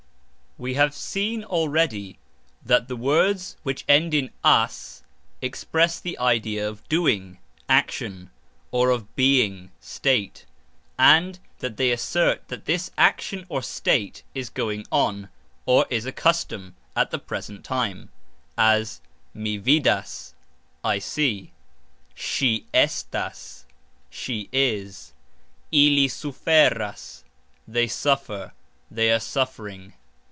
We have seen already (Lesson 1) that the words which end in " as" express the idea of "doing" (action) or of "being" (state), and that they assert that this action or state is going on, or is a custom, at the present time, as "Mi vidas", I see; "Sxi estas", She is; "Ili suferas", They suffer, they are suffering.